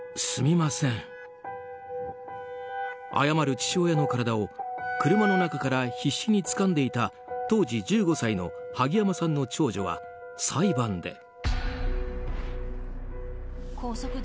謝る父親の体を車の中から必死につかんでいた当時１５歳の萩山さんの長女は裁判で。